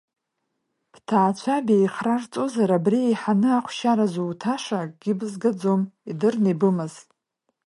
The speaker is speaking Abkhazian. Бҭаацәа беихрарҵозар, абри еиҳаны ахәшьара зуҭаша, акгьы бызгаӡом, идырны ибымаз!